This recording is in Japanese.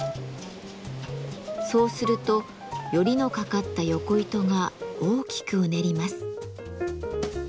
そうするとヨリのかかったヨコ糸が大きくうねります。